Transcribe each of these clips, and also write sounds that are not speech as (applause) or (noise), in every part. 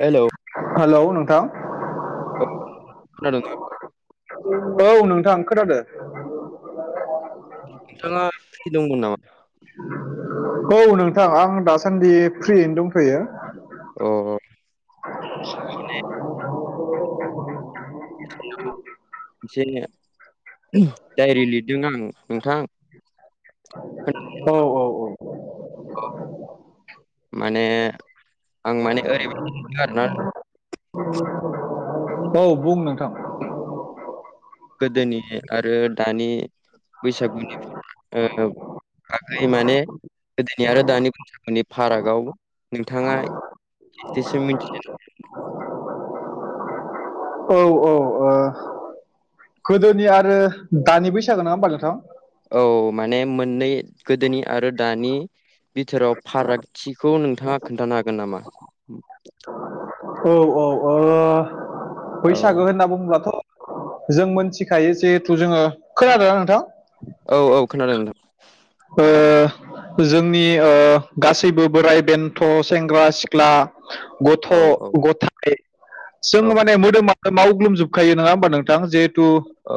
Hello hello नोंथां। खोनादोंना? औ नोंथां खोनोदो। (unintelligible) नोंथाङा फ्रि दंमोन नामा? औ नोंथां आं दासान्दि फ्रियैनो दंथयो। अ अ (unintelligible) (unintelligible) डायरि लिरदों आं नोंथां। औ। औ अ माने आं माने ओरैबादि आरोना (unintelligible) औ बुं नोंथां। गोदोनि आरो दानि बैसागुनि ओ (unintelligible) आगै माने गोदोनि आरो दानि बैसागोनि फारागाव नोंथाङा। एसेसो मिथियोना। औ औ। गोदोनि आरो दानि बैसागो ना होमबा नोंथां? औ माने मोननै गोदोनि आरो दानिआ बिथोराव फारागथिखौ नोंथाङा खोन्थानो हागोन नामा? औ औ औ बैसागो होनना बुंङोब्लाथ' आ जों मोनथिखायो जिहेथु जोङो खोनादों ना नोंथां? औ औ खोनादों। जोंनि गासैबो बोराय बेन्थ' सेंग्रा सिख ख्ला गथ' औ औ गथाय औ जोङो माने मा मावग्लुमजोबखायो नङा होमबा नोंथां जिहेथु औ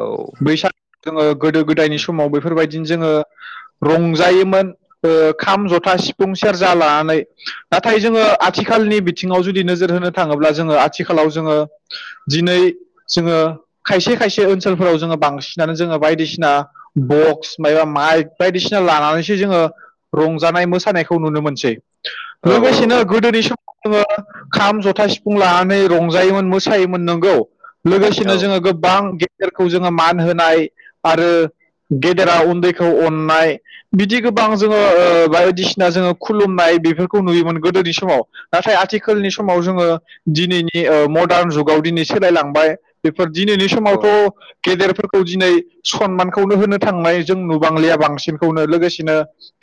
बैसागो जोङो गोदो गोदायनि समाव बेफोरबायदिनो जोङो रंजायोमोन। खाम जथा सिफुं सेरजा लानानै नाथाय जोङो आथिखालनि बिथिङाव जुदि नोजोर होनो थाङोब्ला जोङो आथिखालाव जोङो दिनैयो जोङो खायसे खायसे ओनसोलफोराव जोङो बांसिनानो जोङो बायदिसिना बक्स मायबा माइका बायदिसिना लानानैसो जोङो रंजानाय मोसानायखौ नुनो मोनसै औ लोगोसेनो ओ गोदोनि समाव जोङो खाम जथा सिफुं लानानै रंजायोमोन मोसायोमोन नोंगौ। लोगोसेनो जोङो गोबां गेेरखौ जोङो मान होनाय आरो गेदेरा उन्दैखौ अननाय बिदि गोबां जोङो बायदिसिना जोङो खुलुमनाय बेफोरखौ नुयोमोन गोदोनि समावो नाथाय आथिखालनि समाव जोङो दिनैनि मडार्न जुगाव दिनै सोलायलांनो बेफोर दिनैनिनो औ समावथ' गेदेरफोरखौ दिनै सनमानखौनो होनो थांनाय जों नुबांलिया। बांसिनखौनो लोगोसेनो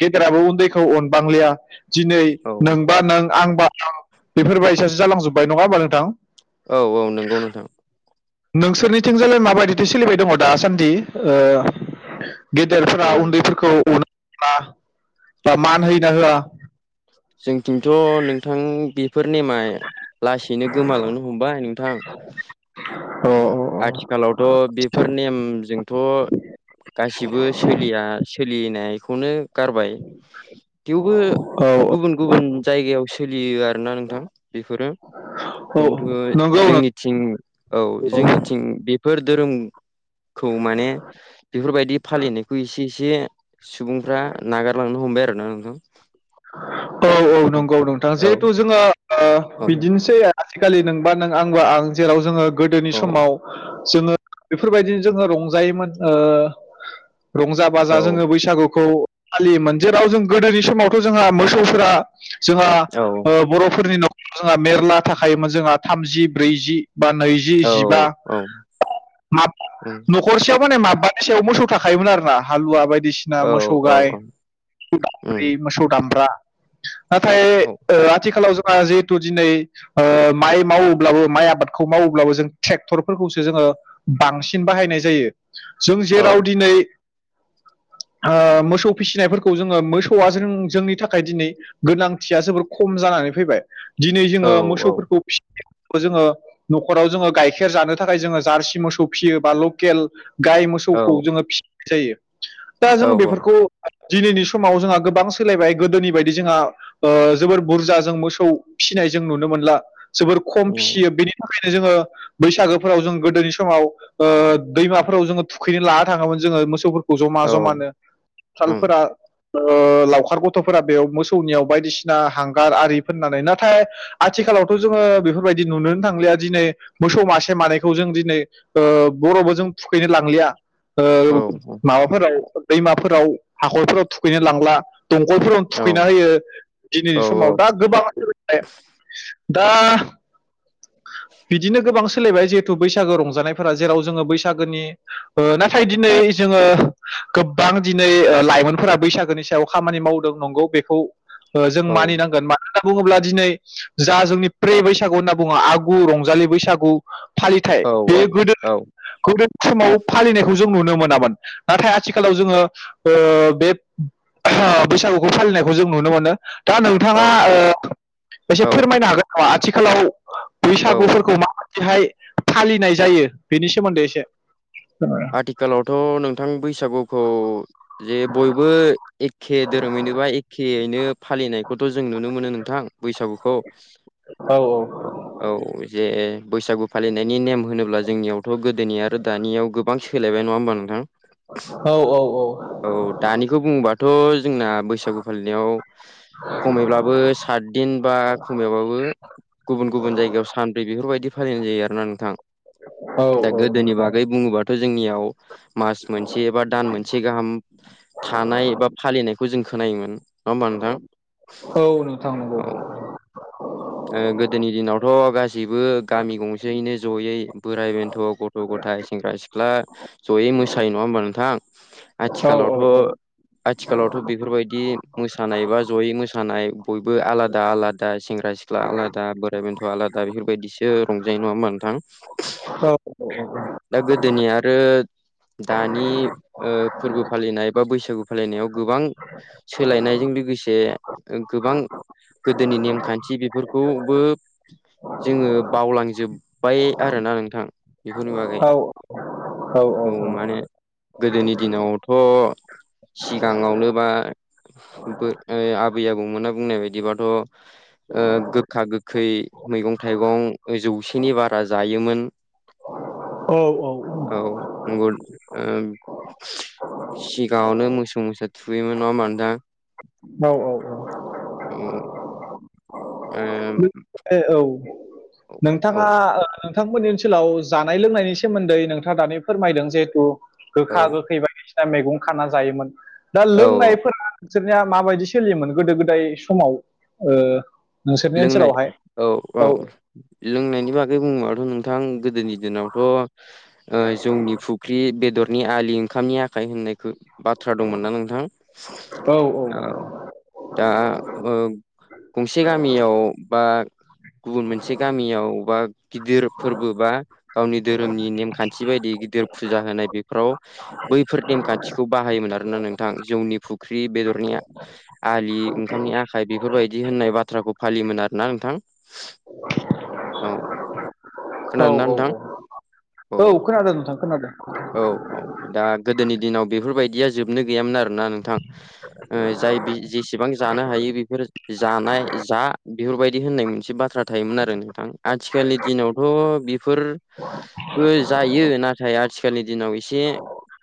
गेदेराबो उन्दैखौ अनबांलिया दिनै औ नोंबा नों आं आं बा आं बेफोरबायसासो जालांजोब्बाय नङा होमबा नोंथां। औ औ नंगौ नोंथां। नोंसोरनिथिंजालाय माबायदिथो सोलिबाय दङ दासान्दि। गेदेरफोरा ओ उन्दैफोरखौ अनो बा मान होयो ना होआ? जोंथिंथ' नोंथां फोर नेमा लासैनो गोमालांनो हमबाय नोंथां। अ आथिखालावथ' बेफोर नेमजोंथ'ओ गासिबोलिया सोलिनायखौनो गारबाय। थेवबो अ ओ औ गुबुन गुबुन जायगायाव सोलियो आरो ना नोंथां बेफोरो औ खन्थु नंगौ जोंनिथिं औ नंगौ जोंनिथिं बेफोर धोरोम खौ माने बेफोरबादि फालिनायखौ एसे। एसे सुबुंफ्रा नागारलांनो हमबाय आरो ना नोंथां। औ औ नंगौ नोंथां जिहेथु औ जोङो औ बिदिनोसै। आजिखालि नोंबा नों आं बा आं जेराव जोङो गोदोनि औ समावो जोङो बेफोरबायदिनो जोङो रंजायोमोन रंजा ओमबा औ जा जोङो बैसागुखौ फालियोमोन जेराव जों गोदोनि समावथ' जोङा मोसौफोरा जोंहा औ ओ बर'फोरनि नखरा मेरला थाखायोमोन जोंहा थामजि ब्रैजि बा नैजि औ जिबा औ मा उम (unintelligible) नखरसेयाव माने माबा नखरसेयाव मोसौ थाखायोमोन आरोना हालुवा बायदिसिना औ मोसौ औ गाय औ (unintelligible) उम मोसौ दामब्रा नाथाय औ ओ आथिखालाव जोङा जि थ' दिनै ओ माइ मावोब्लाबो माइ आबादखौ मावोब्लाबो जों ट्रेक्टरफोरखौसो जोङो बांसिन बाहायनाय जायो। जों औ जेराव दिनै ओ मोसौ फिसिनायफोरखौ जोङो मोसौआ जों जोंनि थाखाय दिनै गोनांथिया जोबोर खम जानानै फैबाय दिनै औ जोङो मोसौफोरखौ फिसिनायखौबो जोङो नखराव जोङो गाइखेर जानो थाखाय जोङो जारसि मोसौ फिसियो बा लकेल गाय मो औ मोसौखौ जोङो फिसिनाय जायो दा जोङो बेफोरखौ दिनैनि समाव जोङा गो बां सोलायबाय गोदोनि बायदि जोंहा ओ जोबोर बुरजा जों मोसौ फिसिनाय जों नुनो मोनला जोबोर उम खम फियो औ बेनि थाखायनो जोङो बैसागोफोराव जों गोदोनि समाव ओ दैमाफोराव जोङो थुखैनो लाना थाङोमोन जोङो मोसौफोर खौ जमा जमानो उम फालफोरा ओ लावखार गथ'फोरा बेयाव मोसौनियाव बायदिसिना हांगार आरि फोननानै नाथाय आथिखालावथ' जोङो बेफोरबायदि नुनोनो थांलिया दिनै मोसौ मासे मानैखौ जों दिनै ओ बरावबो जों थुखैनो लांलिया ओ औ औ माबाफोराव दैमाफोराव हाखरफोराव थुखैनो लांला। दंखलफोरावनो थुखैना होयो दिनैनि समाव दा औ औ गोबां (unintelligible) दा बिदिनो गोबां सोलायबाय जिहेथु बैसागो रंजानायफोरा जेराव जोङो बैसागोनि ओ नाथाय दिनै जोङो गोबां दिनै लाइमोनफोरा बैसागोनि सायाव खामानि मावदों नंगौ बेखौ ओ औ जों मानिनांगोन मानो होनना बुङोब्ला दिनै जा जोंनि प्रि बैसागु होनना बुङो आगु रंजालि बैसागु फालिथाइ औ बे गोदो औ गोदो समाव फालिनायखौ जों नुनो मोनामोन नाथाय आथिखालाव जोङो ओ बे ओहो बैसागुखौ फालिनायखौ जों नुनो मोनो। दा नोंथाङा औ ओ एसे फोरमायनो हागोन नामा आथिखालाव औ औ बैसागुफोरखौ माबायदिहाय फालिनाय जायो बेनि सोमोन्दै एसे आथिखालावथ' नोंथां बैसागुखौ जे बयबो एखे दोरोमैनोबा एखेयैनो फालिनायखौथ' जों नुनो मोनो नोंथां बैसागुखौ औ औ औ औ जे बैसागु फालिनायनि नेम होनोब्ला जोंनियावथ' गोदोनिया आरो दानियाव गोबां सोलायबाय नङा ओनबा नोंथां औ औ औ दानिखौ बुंबा थ' जोंना बैसागु फालिनायाव खमैब्लाबो सातदिन बा खमैबाबो गुबुन गुबुन जायगायाव सानब्रै बेफोरबायदि फालिनाय जायो आरोना नोंथां। औ दा औ गोदोनि बागै बुङोबा जोंनियाव मास मोनसे बा दान मोनसे गाहाम थानाय बा फालिनायखौ जों खोनायोमोन नङा ओमबा नोंथां औ नोंथां औ नोंथां नंगौ औ ओ गोदोनि दिनावथ' गासैबो गामि गंसेयैनो जयै बोराइ बेन्थ' ग थ' गथाय सेंग्रा सिख्ला जयै मोसायो नङा ओमबा नोंथां? औ औ औ आथिखालावथ' आथिखालावथ' बेफोरबायदि मोसानाय बा जयै मोसानाय बयबो आलादा आलादा सेंग्रा सि ख्ला आलादा बोराइ बेन्थ'आ आलादा बेफोरबायदिसो रंजायो नङा ओमबा नोंथां? औ औ औ दा गोदोनिया आरो दानि ओ फोरबो फालिनाय बा बैसागु फालिनायाव गोबां सोलायनायजों लोगोसे गोबां गोदोनि नेमखान्थि बे बेफोरखौबो जोङो बावलांजोब्बाय आरोना नोंथां बेफोरनि बागै औ औ माने गोदोनि दिनावथ' सिगाङावनो बा आबै आबौमोनना बुंनाय बायदिबाथ' गोखा गोखै मैगं थाइगं जौसेनि बारा जायोमोन (inaudible) औ औ औ सिगाङावनो मोसौ नङा होनबा नोंथां (unintelligible) औ औ औ औ आ औ ओ औ नोंथाङा नोंथांमोननि ओनसोलाव जानाय लोंनायनि सोमोन्दै नोंथाङा दानि फोरमायदों जिहेथु औ गोखा गोखै बायदिसिना मैगं खाना जायोमोन दा औ लोंनायफोरा नोंसोरनिया माबायदि सोलियोमोन गोदो गोदाय समाव नोंसोरनि लोंनाय ओनसोलावहाय औ औ लोंनायनि बागै बुङोबाथ' नोंथां गोदोनि दिनावथ' जौनि फुख्रि बेदरनि आलि ओंखामनि आखाइ होननायखौ बाथ्रा दंमोनना नोंथां औ दा गंसे गामियाव बा गुबुन मोनसे गामियाव बा गिदिर फोरबो बा गावनि धोरोमनि नेमखान्थि बायदि गिदिर फुजा होनाय बेफोराव बैफोर नेमखान्थिखौ बाहायोमोन आरोना नोंथां जौनि फुख्रि बेदरनि आ आलि ओंखामनि आखाइ बेफोरबायदि होननाय बाथ्राखौ फालियोमोन आरो ना नोंथां औ औ खोनादोंना औ नोंथां औ औ खोनादों नोंथां खोनादों औ औ दा गोदोनि दिनाव बेफोरबायदिया जोबनो गैयामोन आरोना नोंथां जाय जेसेबां जानो हायो बेफोर जानाय जा बेफोरबायदि होननाय मोनसे बाथ्रा थायोमोन आरो नोंथां आथिखालनि दिनावथ' बेफोर बो जायो नाथाय आथिखालनि दिनाव एसे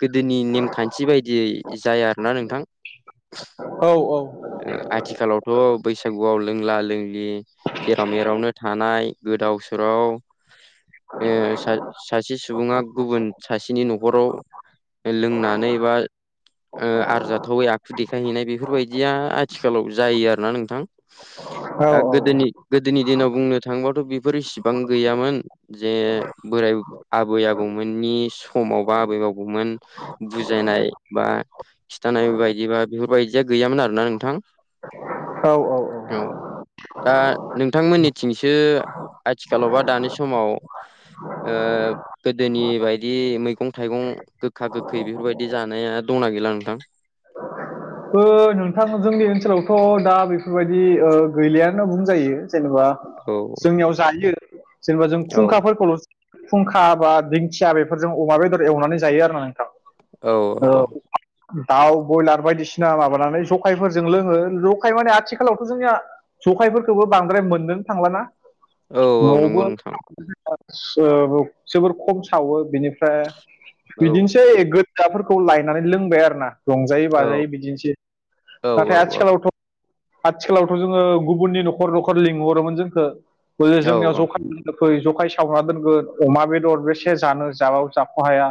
गोदोनि नेमखान्थि बायदिय जाया आरोना नोंथां औ औ आथिखालावथ' बैसागुआव लोंला जोंलि जेराव मेरावनो थानाय गोदाव सोराव सासे सुबुङा गुबुन सासेनि न'खराव लोंनानै बा आरजाथावै आखु देखायहैनाय बेफोरबायदिया आथिखालाव जायो आरोना नोंथां औ गोदोनि गोदोनि दिनाव बुंनो थांबथ' बेफोर इसिबां गैयामोन जे बोराय आबै आबौमोननि समावबा आबै आबौमोन बुजायनाय बा खिन्थानाय बायदिबा बेफोरबायदिया गैयामोन आरो ना नोंथां औ औ औ दा नोंथांमोननिथिंसो आथिखालाव बा दानि समाव ओ गोदोनि बायदि मैगं थाइगं गोखा गोखै बेफोरबायदि जानाया दंना गैला नोंथां नोंथां जोंनि ओनसोलावथ' दा बेफोरबायदि गैलियानो बुंजायो जेनेबा औ जोंनियाव जायो जेनेबा जों औ खुंखाफोरखौल' फुंखा बा दिंखिया बेफोरजों अमा बेदर एवनानै जायो आरोना नोंथां औ दाउ ब्रयलार बायदिसिना बिना माबानानै जखायफोरजों लोङो जखाय माने आथिखालावथ' जोंनिया जखायफोरखौबो बांद्राय मोननोनो थांलाना औ औ नंगौ न'आवबो नोंथां जोबोर खम सावो बिनिफ्राय औ बिदिनोसै फिसाफोरखौ लायनानै लोंबाय आरोना रंजायै औ बाजायै बिदिनोसै औ नाथाय औ आथिखालावथ' आथिखालावथ' जोङो गुबुननि न'खर न'खर लिंहरोमोन जोंखौे जोंनियाव जौ औ फै जखाय सावना दोनगोन अमा बेदर बेसे जानो जाबाव जाख'हाया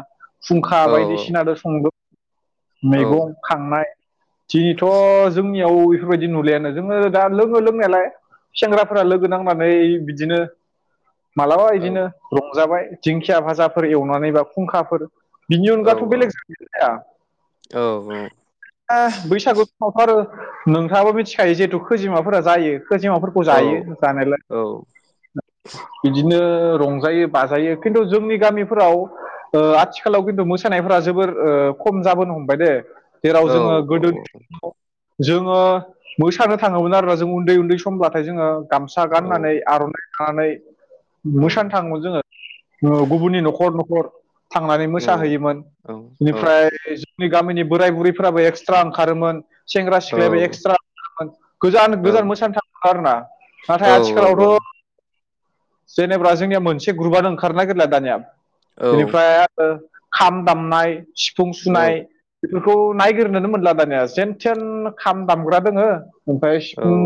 फुंखा औ बायदिसिना जों संदों औ मैगं खांनाय दिनैथ' जोंनियाव एफोरबायदि नुलायानो जोङो दा लोङो लोंनायालाय सेंग्राफोरा लोगो नांनानै बिदिनो मालाबा बिदिनो औ रंजाबाय दिंखिया भाजाफोर एवनानै बा खुंखाफोर बिनि औ अनगाथ' बेलेग जानाय जाया औ औ ओ बैसागु समावथ आरो नोंथाङाबो मिथिखायो जिहेथु खैजिमाफोरा जायो खैजिमाफोरख खौ औ जायो जानायालाय बिदिनो रंजायो बाजायो खिन्थु जोंनि गामिफोराव ओ आथिखालाव खिन्थु मोसानायफोरा जोबोर खम जाबोनो हमबाय दे जेराव औ जोङो औ गोदोनि समाव जोङो मोसानो थाङोमोन आरो जों उन्दै उन्दै समब्लाथाय जोङो गामसा औ गाननानै आर'नाइ लानानै उम, मोसानो थाङोमोन जोङो गुबुननि न'खर न'खर थांनानै औ मोसाहैयोमोन औ औ बेनिफ्राय जोंनि गामिनि बोराय बुरै फोराबो एक्सट्रा ओंखारोमोन सेंग्रा औ सिख्लायाबो एक्सट्रा ओंखारोमोन गोजान औ गोजान मोसानो थाङोमोन आरोना नाथाय आथिखालावथ' जेनेबा जोंनिया मोनसे ग्रुपानो ओंखारनो नागिरला दानिया औ बिनिफ्राय ओ खाम दामनाय सिफुं सुनाय बेफोरखौ नायगोरनानो मोनला दानिया जेनथेन खाम दामग्रा दोङो ओमफ्राय सिफुं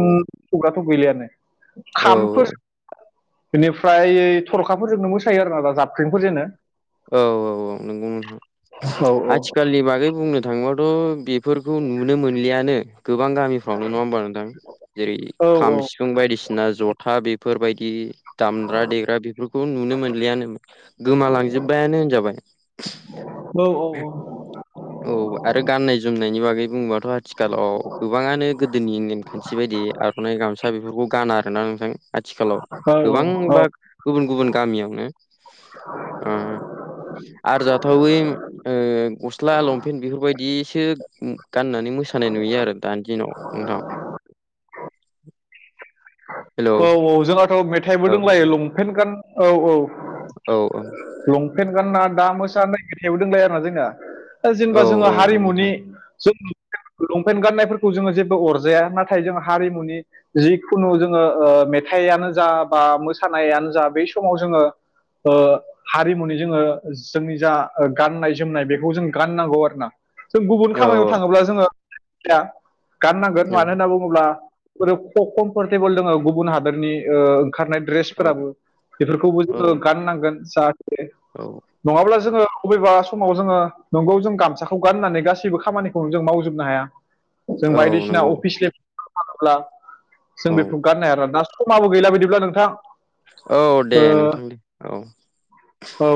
सुग्रााथ' गैलायानो औ खामफोर औ इनिफ्राय थर'खाफोरजोंनो मोसायो आरोना दा जाब औ-औ-औ नंगौ नोंथां औ औ आथिखालनि बागै बुंनो थाङोबाथ' बि फोरखौ नुनो मोनलियानो गोबां गामिफ्रावनो नङा होमबा नोंथां जेरै औ खाम सिफ फुं बायदिसिना जथा बेफोरबायदि दामग्रा देग्रा बेफोरखौ नुनो मोनलियानो गोमालांजोब्बायानो होनजाबाय औ औ औ औ आरो गान्नाय जोमनायनि बागै बुङोबाथ' आरो आथिखालाव गोबाङानो गोदोनि नेमखान्थि बायदि आर'नाइ गामसा बेफोरखौ गाना आरोना नोंथां आथिखालाव औ गोबां बा गुबुन गुबुन गामियावनो आ आरो जाथावै गस्ला लंपेन्ट बेफोरबायदिसो गाननानै मोसानाय नुयो आरो दानि दिनाव नोंथां हेलौ औ-औ जोंहाथ' मेथाइबो औ दंलायो लंपेन्ट गान औ-औ औ औ लंपेन्ट गानना दा मोसा होननायनाय मेथायाबो दंलायो आरोना जोंनिया ओ औ जेनेबा जोङो औ हारिमुनि नोंथां जों लंपेन्ट गाननायफोरखौ जोङो जेबो अरजाया नाथाय जों हारिमुनि जिखुनु जों जोङो मेथायानो जा बा मोसानायानो जा बै समाव जोङो ओ हारिमुनि जोङो जोंनि जा गाननाय जोमनाय बेखौ जों गाननांगौ आरोना जों गुबुन औ खामानियाव थाङोब्ला जोङो गाननांगोन औ मानो होनना बुङो ब्ला कमर्फटेबोल दोङो गुबुन हादोरनि ओंखारनाय औ ड्रेसफोराबो बेफोरखौबो जोङो औ गाननांगोन जाहाथे औ नङाब्ला जोङो बबेबा समाव जोङो नंगौ जों गामसाखौ गाननानै गासैबो खामानिखौ जों मावजोबनो हाया (inaudible) जों बायदिसिना नंगौ अफिसियेल (unintelligible) जों औ बेखौ गाननो हाया आरो दा समाबो गैला बायदिब्ला नोंथां औ दे ओ नोंथां दे औ औ